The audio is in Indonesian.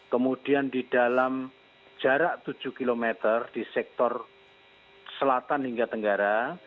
kemudian di dalam jarak tujuh km di sektor selatan hingga tenggara